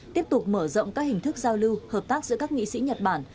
tiếp tục mở rộng các hình thức giao lưu hợp tác giữa các nghị sĩ nhật bản